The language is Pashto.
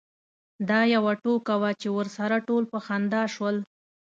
دا یوه ټوکه وه چې ورسره ټول په خندا شول.